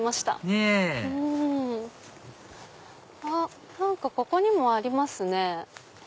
ねぇあっ何かここにもありますね。